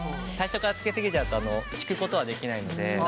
最初からつけ過ぎちゃうと引くことはできないので。